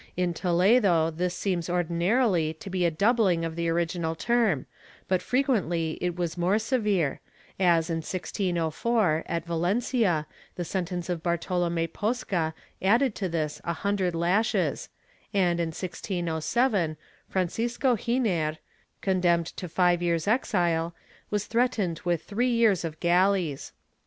In Toledo this seems ordinarily to be a doubling of the original term, but frequently it was more severe as, in 1604, at Valencia, the sentence of Barto lome Posca added to this a hundred lashes and, in 1607, Francisco Xiner, condemned to five years' exile, was threatened with three years of galleys.